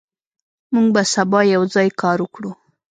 موږ به سبا یوځای کار وکړو.